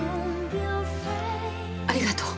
ありがとう。